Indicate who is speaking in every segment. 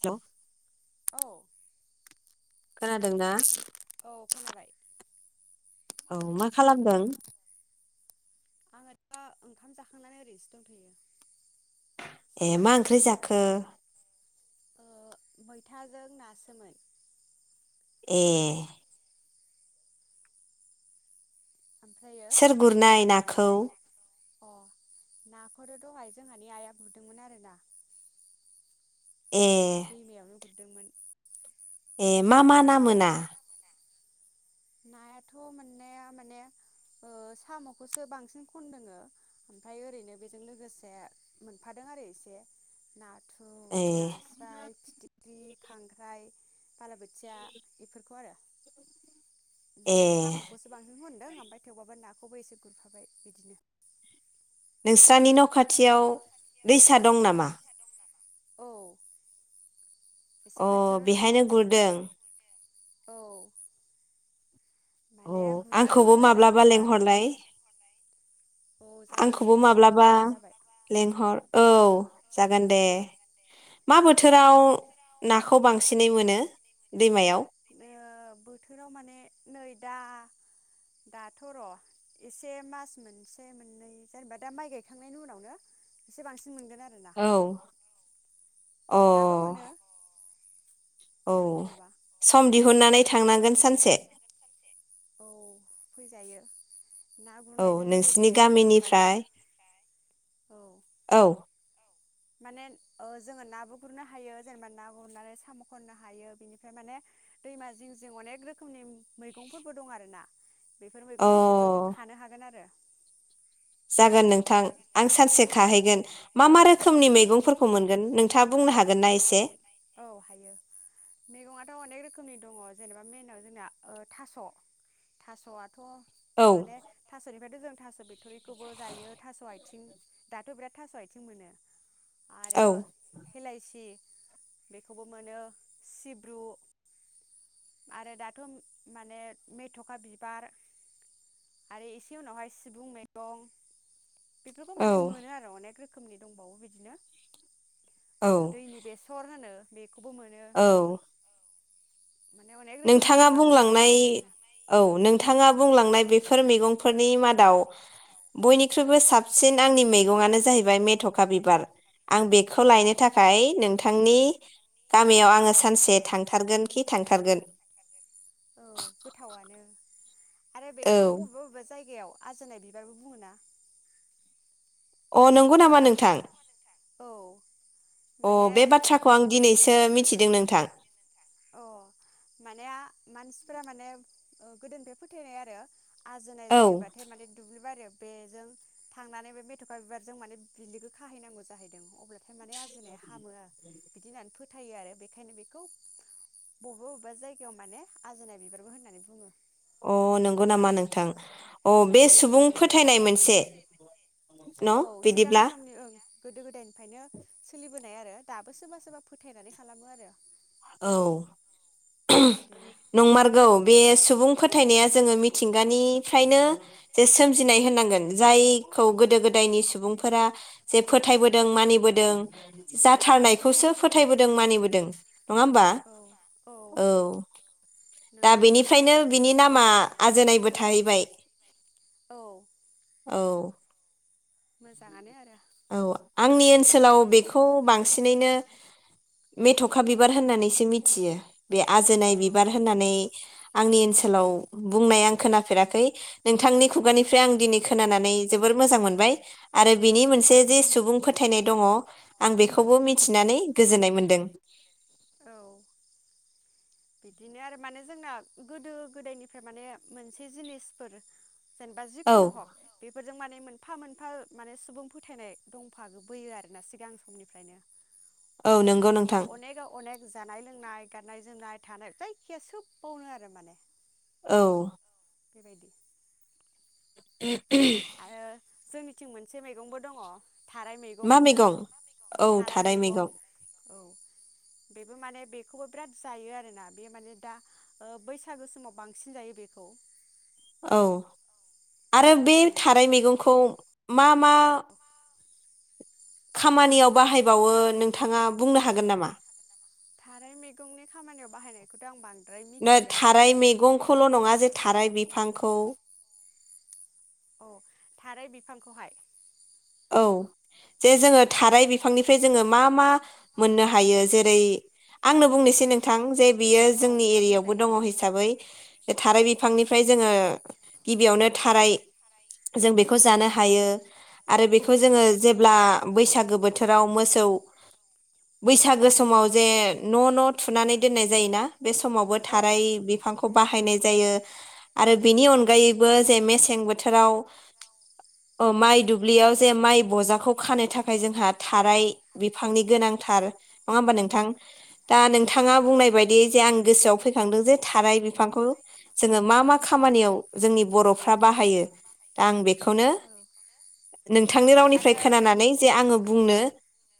Speaker 1: Hello.
Speaker 2: औ।
Speaker 1: खोनादोंना?
Speaker 2: औ खोनाबाय।
Speaker 1: औ मा खालामदों?
Speaker 2: आङो दा ओंखाम जाखांनानै ओरैसो दंथयो।
Speaker 1: ए
Speaker 2: जिरायनानै
Speaker 1: ओंख्रि जाखो?
Speaker 2: मैथाजों नासोमोन।
Speaker 1: ए।
Speaker 2: आमफ्राय
Speaker 1: सोर गुरनाय नाखौ?
Speaker 2: अ नाखौथ दहाय जोंहानि आइआ गुरदोंमोन आरोना।
Speaker 1: ए
Speaker 2: दै मायावनो। गुरदोंमोन।
Speaker 1: ए मा मा ना मोना?
Speaker 2: नायाथ मोननाया माने सामखौसो बांसिन खनदोङो ओमफ्राय ओरैनो बेजों लोगोसे मोनफादों आरो एसे ना
Speaker 1: ए
Speaker 2: नाथुर नास्राय फिथि ख्रि खांख्राइ बालाबोथिया बेफोरखौ आरो।
Speaker 1: ए
Speaker 2: ओमफ्राय सामखौसो बांसिन होन दों ओमफ्राय थेवबाबो नाखौबो एसे गुरफाबाय बिदिनो।
Speaker 1: नोंस्रानि न खाथियाव दैसा दं नामा?
Speaker 2: औ एसे
Speaker 1: अ
Speaker 2: खाथियावनो दङ
Speaker 1: बेहायनो गुरदों।
Speaker 2: औ।
Speaker 1: औ
Speaker 2: माने गुरबानो
Speaker 1: आंखौबो
Speaker 2: मोनो आरो
Speaker 1: माब्लाबा
Speaker 2: दैया थौलि
Speaker 1: लेंंहरलाय
Speaker 2: औ जायो दे
Speaker 1: आंखौबो
Speaker 2: मालाबा
Speaker 1: माब्लाबा
Speaker 2: फैबानो जाबाय
Speaker 1: लेंहर औ। जागोन दे मा बोथोराव नाखौ बांसिनै मोनो दैमायाव?
Speaker 2: ओ बोथोराव माने नै दा दाथ र एसे मास मोनसे मोननै जेनेबा दा माइ गायखांनायनि उनावनो एसे बांसिन मोनगोन आरोना
Speaker 1: औ अ
Speaker 2: दाबो मोनो
Speaker 1: औ
Speaker 2: जेन'बा
Speaker 1: साम दिहुनन्नानै थांनांगोन सानसे
Speaker 2: औ फैजायो ना
Speaker 1: औ
Speaker 2: गुरनायजों
Speaker 1: नोंसिनि
Speaker 2: लोगोसे माने
Speaker 1: गामिनिफ्राय
Speaker 2: औ
Speaker 1: औ
Speaker 2: माने जोङो नाबो गुरनो हायो जेनेबा ना गुरनानै साम' खननो हायो बिनिफ्राय माने दैमा जिं जिं अनेक रोखोमनि मैगंफोरबो दं आरो ना बेफोर
Speaker 1: अ
Speaker 2: मैगंफोरखौबो खानो हागोन आरो
Speaker 1: जागोन नोंथां आं सानसे खाहैगोन मा मा रोखोमनि मैगंफोरखौ मोनगोन नोंथाङा बुंनो हागोन ना एसे
Speaker 2: औ हायो मैगंथ' अनेक रोखोमनि दङ जेनेबा मइेनाव जोंना थास' थास'आ थ
Speaker 1: औ
Speaker 2: माने थास'निफ्रायथ' जों थास' बिथ'रिखौबो जायो थास' आथिं दाथ' बिराद थास' आथिं मोनो आरो
Speaker 1: औ
Speaker 2: हेलायसि बेखौबो मोनो सिब्रु आरो दाथ' माने मेथ'खा बिबार आरो इसे उनावहाय सिबुं मैगं बेफोरखौ
Speaker 1: औ
Speaker 2: माने मोनो आरो अनेक रो रोखोमनि दंबावो बिदिनो
Speaker 1: औ
Speaker 2: दैनि बेसर होनो बेे खौबो मोनो
Speaker 1: औ
Speaker 2: माने अनेक रोखोमनि
Speaker 1: नोंथाङा
Speaker 2: दं आरोना
Speaker 1: बुंलांनाय
Speaker 2: हाग्रायावनो
Speaker 1: औ नोंथाङा बुंलांनाय बे फोर मैगंफोरनि मादाव
Speaker 2: औ
Speaker 1: बयनिख्रुइबो साबसिन आंनि मैगंआनो जाहै बाय मेथ'खा बिबार आं बेखौ लायनो
Speaker 2: अ
Speaker 1: थाखाय नोंथांनि गामियाव आङो सानसे थांथारगोन खि थांथारगोन
Speaker 2: औ गोथावनो आरो बेखौ बबेबा बबेबा जायगायाव आजोनाय बिबारबो बुङो ना?
Speaker 1: अ नंगौ नामा नोंथां
Speaker 2: औ
Speaker 1: अ
Speaker 2: माने
Speaker 1: बे बाथ्राखौ आं दिनैसो मिथिदों नोंथां
Speaker 2: अ माने आ मानसिफोरा माने ओ गोदोनिफ्राय फोथायनाय आरो आजोनाय
Speaker 1: औ
Speaker 2: जायोबाथाय माने दुब्लि बारि बेजों थांनानै बे मेथ'खा बिबारजों माने बिलिखौ खाहैनांगौ जाहैदों अब्ला माने आजोनाया हामो आ बिदि होननानै फो फोथायो आरो बेखायनो बेखौ बबेबा बबेबा जायगायाव माने आजोनाय बिबारबो होननानै बुङो
Speaker 1: अ नोंगौ नामा नोंथां अ बे सुबुं
Speaker 2: ओं
Speaker 1: फोथायनाय मोनसे [unintelligible]
Speaker 2: औ
Speaker 1: न'
Speaker 2: सिगां
Speaker 1: बिदिब्ला
Speaker 2: समनि ओं गोदो गोदायनिफ्रायनो सोलिबोनाय आरो दाबो सोरबा सोरबा फोथायनानै खालामो आरो
Speaker 1: औ [unintelligible]
Speaker 2: बिदिनो
Speaker 1: नंमारगौ बे सुबुं फोथायनाया जोङो मिथिंगानिफ्रायनो जे सोमजिनाय होनांगोन जायखौ गोदो गोदायनि सुबुंफोरा जे फोथायबोदों मानिबोदों
Speaker 2: औ
Speaker 1: जाथारनायखौसो फोथायबोदों मानिबोदों नङा होमबा औ दा
Speaker 2: नोंगौ गोसो
Speaker 1: बेनिफ्रायनो बिनि नामा आजोनायबो थाहैबाय
Speaker 2: ओं औ
Speaker 1: औ।
Speaker 2: मोजाङानो आरो।
Speaker 1: औ आंनि ओनसोलाव बेखौ बांसिनैनो मेथखा बिबार होननानैसो मिथियो। बे
Speaker 2: औ
Speaker 1: आजोनाय बिबार होननानै आंनि ओनसोलाव बुंनाय आं खोनाफेराखै नोंथांनि खुगानिफ्राय आं दिनै खोनानानै जोबोर मोजां मोनबाय आरो बिनि मोन से जे सुबुं फोथायनाय दङ आं
Speaker 2: औ
Speaker 1: बेखौबो मिथिनानै गोजोननाय मोन दों।
Speaker 2: औ। बिदिनो आरो माने जोंना गोदो गोदायनिफ्राय माने मोनसे जिनिसफोर जेनेबा
Speaker 1: औ
Speaker 2: जिखुनु हक बेफोरजों माने मोन फा मोनफा माने सुबुं फोथायनाय दंफागो बोयो आरोना सिगां समनिफ्रायनो।
Speaker 1: औ नंगौ
Speaker 2: जेनेबा
Speaker 1: नोंथां
Speaker 2: अनेगा अनेग जानाय लोंनाय गाननाय जोमनाय थानाय जायखिया सोबबावनो आरो माने।
Speaker 1: औ।
Speaker 2: बेबायदि।
Speaker 1: [unintelligible]
Speaker 2: आरो जोंनि थिं मोनसे मैगंबो दङ। थाराय
Speaker 1: मा
Speaker 2: होनो
Speaker 1: मैगं औ थाराय मैगं।
Speaker 2: औ बेबो माने बेखौबो बिराद जायो आरोना बे माने दा ओ बैसागो समाव बांसिन जायो बेखौ।
Speaker 1: औ। आरो बे
Speaker 2: माने
Speaker 1: थाराय मैगंखौ मा मा
Speaker 2: औ
Speaker 1: खामानियाव बाहायबावो नोंथाङा बुंनो हागोन नामा?
Speaker 2: थाराय मैगंनि खामानियाव बाहायनायखौथ' आं बां
Speaker 1: नो थाराय मैगंखौल' नङा जे थाराय बि फांखौ
Speaker 2: औ थाराय बिफांखौहाय
Speaker 1: औ जे जोङो थाराय बिफांनिफ्राय जोङो मा मा मोननो हायो जेरै आंनो बुंनोसै नोंथां जे बियो
Speaker 2: औ
Speaker 1: जोंनि
Speaker 2: दे
Speaker 1: एरियायावबो
Speaker 2: बुंजायो
Speaker 1: दङ' हिसाबै थाराय
Speaker 2: औ
Speaker 1: बिफांनिफ्राय जोङो गिबियावनो थाराय जों बेखौ जानो हायो आरो
Speaker 2: औ
Speaker 1: बेखौ जोङो जेब्ला बैसागो बोथोराव मोसौ बैसा गो
Speaker 2: बैसागो न' थुनानै दोननाय जायोना जोंनियावबो थाराय अ
Speaker 1: समाव जे न 'न' थुनानै दोननाय जायो ना? बे समावबो थाराय बिफांखौ बाहायनाय जायो आरो बिनि अनगायैबो जे मेसें बोथोराव ओ माइ दु ब्लियाव जे माइ बजाखौ खानो था खाय जोंहा थाराय बिफांनि गोनां थार नङा होमबा नोंथां? दा
Speaker 2: बेखौनो नोंथांनि रावनिफ्राय खोनानानै जे आङो बुंनो
Speaker 1: नोंथाङा बुंनाय बायदि जे आं गोसोआव फैखांदों जे थाराय बिफांखौ जोङो मा मा खामानियाव जोंनि बर'फ्रा बाहायो? दा आं बे खौनो नोंथांनि रावनिफ्राय खोनानानै जे आङो बुंनो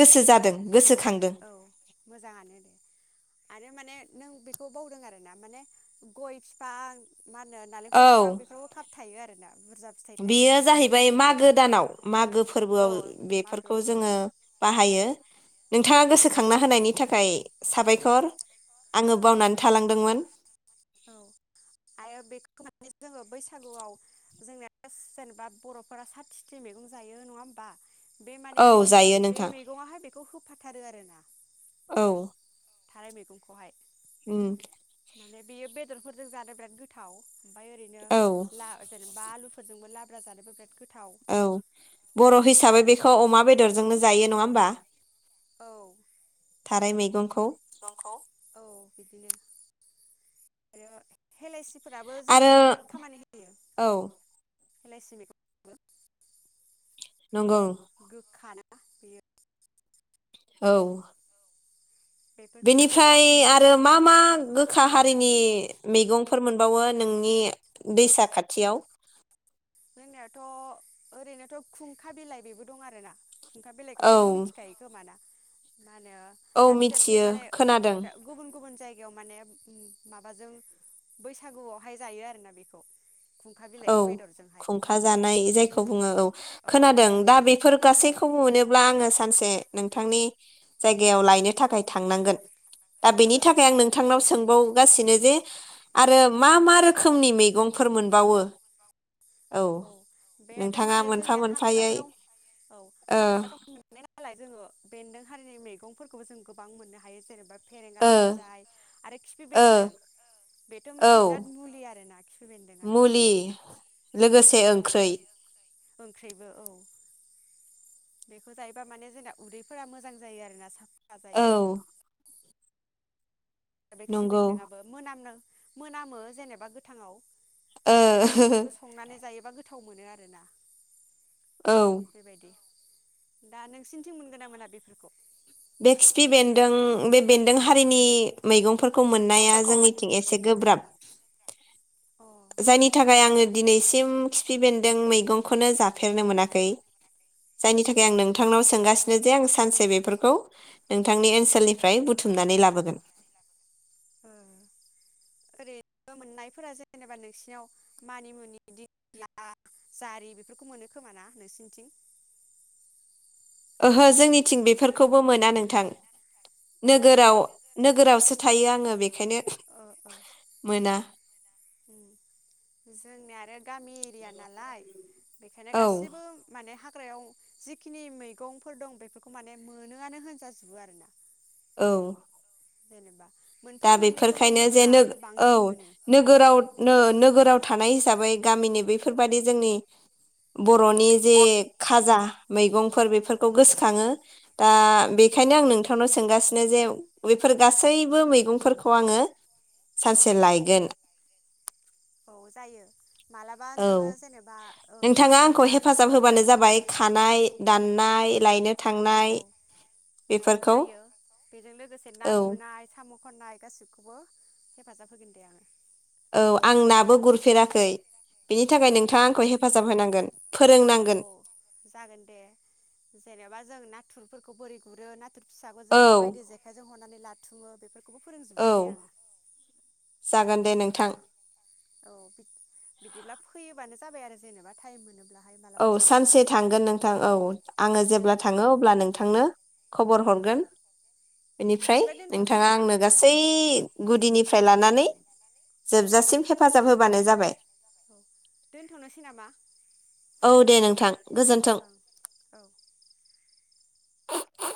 Speaker 1: गोसो जादों। गोसोखांदों
Speaker 2: औ मोजाङानो दे आरो माने नों बे खौ बावदों आरो ना माने गय फिफां मा होनो? नालेंखर
Speaker 1: औ
Speaker 2: फिफां बेफोरखौ खाबथायो आरोना। बुरजा फिथाइ थायो
Speaker 1: बेयो
Speaker 2: बिदि होननानै
Speaker 1: जाहैबाय
Speaker 2: फोथायो।
Speaker 1: मागो दानाव मागो
Speaker 2: औ
Speaker 1: फोरबोआव बेफोरखौ
Speaker 2: मागोआव औ
Speaker 1: जोङो बाहायो। नोंथाङा गोसोखांना होनायनि थाखाय साबायखर। आङो
Speaker 2: औ
Speaker 1: बावनानै थालांदोंमोन।
Speaker 2: औ आरो बेखौ माने जोङो बैसागुआव जोंनाया जेनेबा बर'फोरा साथिथि मैगं जायो नङा होमबा? बे माने बे
Speaker 1: औ जायो
Speaker 2: बे
Speaker 1: नोंथां
Speaker 2: मैगंआवहाय बेखौ हो फाथारो आरो ना।
Speaker 1: औ।
Speaker 2: थाराय मैगंखौहाय।
Speaker 1: उम।
Speaker 2: माने बेयो बेदरफोरजों जानो बिराद गोथाव। ओमफाय ओरैनो
Speaker 1: औ
Speaker 2: ला जेनेबा आलु। फोरजोंबो लाब्रा जानोबो बिराद गो
Speaker 1: औ बर' हिसाबै बेखौ अमा बेदरजोंनो जायो नङा होमबा? थाराय मैगंखौ।
Speaker 2: नंगौ औ बिदिनो आरो हेलाइसिफोराबो जोंनो
Speaker 1: आरो
Speaker 2: माने बिराद खामानि होयो।
Speaker 1: औ
Speaker 2: एलायसि मैगं [unintelligible]
Speaker 1: नंगौ।
Speaker 2: ना बियो।
Speaker 1: औ।
Speaker 2: बेफोरखौबो गोबां
Speaker 1: बेनिफ्राय
Speaker 2: मोनो माने
Speaker 1: आरो मा मा
Speaker 2: जोंनिथिं
Speaker 1: गोखा हारिनि। मैगंफोर मोनबावो नोंनि दैसा खाथियाव।
Speaker 2: जोंनियाथ' ओरैनोथ' खुंखा बिलाइ बेबो दं आरोना। खुंथा
Speaker 1: औ
Speaker 2: बिलाइखौथ' नों मिथिखायो खोमाना। माहोनो
Speaker 1: औ
Speaker 2: दाबसे दाबसे
Speaker 1: मिथियो
Speaker 2: माने
Speaker 1: खोनादों
Speaker 2: गुबुन गुबुन जाय गायाव माने माबाजों बैसागुआवहाय जायो आरोना बेखौ। खुंखा
Speaker 1: औ
Speaker 2: बिलाइखौ बेदरजोंहाय।
Speaker 1: खुंखा जानाय जायखौ बुङो औ खोनादों दा बेफोर गासैखौबो मोनोब्ला आङो सानसे। नोंथांनि जायगायाव लायनो थाखाय थांनांगोन। दा बेनि
Speaker 2: औ
Speaker 1: थाखाय आं नोंथांनाव
Speaker 2: फैनो हायो
Speaker 1: सोंबावगासिनो जे आरो मा मा रोखोमनि मैगंफोर मोनबावो।
Speaker 2: औ
Speaker 1: नोंथाङा
Speaker 2: बेद'माने
Speaker 1: मोनफा
Speaker 2: जोंनि
Speaker 1: मोनफायै
Speaker 2: हाग्राफोराव औ
Speaker 1: ओ
Speaker 2: हाग्रा दं मोननाय नालाय जोङो। बेन्दों हारिनि मैगंफोरखौबो जों गोबां मोननो हायो जेनेबा। फेरेंगा
Speaker 1: ओ
Speaker 2: लान्जाय आरो खिफि
Speaker 1: ओ
Speaker 2: बेन्दों बेथ'
Speaker 1: औ
Speaker 2: मोनसे बिराद मुलि आरोना खिफि बेन्दोंआथ'।
Speaker 1: मुलि लोगोसे
Speaker 2: औ
Speaker 1: ओंख्रै
Speaker 2: ओंख्रैबो औ। बेखौ जायोबा माने जोंना उदैफोरा मोजां जायो आरोना सा
Speaker 1: औ।
Speaker 2: बे खिफि
Speaker 1: नंगौ
Speaker 2: बेन्दों आबो मोनामनों। मोनामो जेनेबा गोथाङाव।
Speaker 1: ओ
Speaker 2: खिन्थु बेखौ संनानै जायो माबा गोथाव मोनो आरोना
Speaker 1: औ
Speaker 2: बेबायदि दा नोंसिनिथिं मोनगोन ना मोना बेफोरखौ
Speaker 1: बे खिफि बेन्दों बे बेन्दों हारिनि मैगंफोर खौ मोननाया जोंनिथिं एसे गोब्राब
Speaker 2: अ
Speaker 1: जायनि थाखाय आङो दिनैसिम खिफि बेन्दों मैगंखौनो जाफेरनो मोनाखै जायनि थाखाय आं नोंथांनाव सोंगासिनो जे आं सानसे बेफोरखौ नोंथांनि ओनसोलनिफ्राय बुथुमनानै लाबोगोन
Speaker 2: ओरैनो मोननायफोरा जेनेबा नोंसिनाव मानिमुनि दिंला जारि बेफोरखौ मोनो खोमा ना नोंसिनिथिं
Speaker 1: ओहो जोंनिथिं बेफोरखौबो मोना नोंथां
Speaker 2: अ
Speaker 1: नोगोराव नोगोराव सोत थायो आङो बेखायनो
Speaker 2: ओ ओ
Speaker 1: मोना
Speaker 2: ओम जोंनिया आरो गामि एरिया नालाय बेखायनो
Speaker 1: औ
Speaker 2: गासिबो माने हाग हाग्रायाव जिखिनि मैगंफोर दं बेफोरखौ माने मोनोआनो होनजाजोबो आरोना
Speaker 1: औ
Speaker 2: जेनेबा
Speaker 1: दा
Speaker 2: मोनफा मोननैखौल'
Speaker 1: बेफोरखायनो
Speaker 2: मोना
Speaker 1: जेनो औ
Speaker 2: बांसिन मोनो
Speaker 1: नोगोराव नो नोगोराव थानाय हिसाबै गामिनि बेैफोरबादि जोंनि बरनि जे खाजा मैगंफोर बेफोरखौ गोसोखाङो दा बेखायनो आं नोंथांनाव सोंगासिनो जे बेफोर गासैबो मै मैगुंफोरखौ आङो सानसे लायगोन
Speaker 2: औ जायो मालाबा नोङो
Speaker 1: औ
Speaker 2: जेनेबा ओ सम
Speaker 1: नोंथाङा आंखौ
Speaker 2: मोनोब्ला
Speaker 1: हेफाजाब होबानो
Speaker 2: फैबानो जाबाय
Speaker 1: खानाय दाननाय लायनो थांनाय
Speaker 2: औ औ
Speaker 1: बेफोरखौ
Speaker 2: जायो बेजों लोगोसे ना
Speaker 1: औ
Speaker 2: गुरनाय साम खननाय गासैखौबो हेफाजाब होगोन दे आङो
Speaker 1: औ आं नाबो गुरफेराखै बिनि
Speaker 2: औ
Speaker 1: थाखाय नोंथाङा आंखौ हेफाजाब होनांगोन फोरोंनांगोन
Speaker 2: औ जागोन दे जेनेबा जों नाथुर फोरखौ बोरै गुरो नाथ फिसाखौ जों
Speaker 1: औ
Speaker 2: माबायदि जेखाइजों हरनानै लाथ थुङो बेफोर बेखौबो
Speaker 1: औ
Speaker 2: फोरोंजोबगोन दे आङो
Speaker 1: जागोन दे नोंथां
Speaker 2: औ बि बिदिब्ला फैयोबानो जाबाय आरो जेनेबा टाइम मोनोब्ला
Speaker 1: औ सानसे थांगोन नोंथां औ आङो जेब्ला थाङो अब्ला नोंथांनो खबर
Speaker 2: औ औ।
Speaker 1: हरगोन बेनिफ्राय
Speaker 2: बिदिबा दोनथ'नोसै
Speaker 1: नोंथाङा
Speaker 2: नामा?
Speaker 1: आंनो गासै गुदिनि फ्राय लानानै
Speaker 2: औ
Speaker 1: जोबजासिम हेफाजाब होबानो जाबाय
Speaker 2: औ दोनथ'नोसै नामा?
Speaker 1: औ दे नोंथां गोजोन्थों
Speaker 2: ओं औ
Speaker 1: [unintelligible]